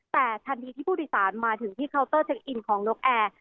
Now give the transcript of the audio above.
แต่ทันทีที่ผู้โดยสารมาถึงที่เคาน์เตอร์เช็คอินของนกแอร์